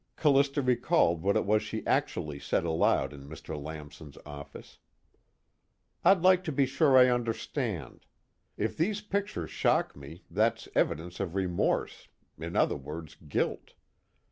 Callista recalled what it was she actually said aloud in Mr. Lamson's office: "I'd like to be sure I understand. If these pictures shock me, that's evidence of remorse, in other words guilt.